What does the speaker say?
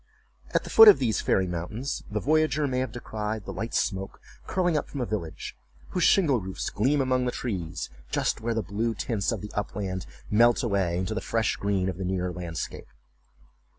At the foot of these fairy mountains, the voyager may have descried the light smoke curling up from a village, whose shingle roofs gleam among the trees, just where the blue tints of the upland melt away into the fresh green of the nearer landscape.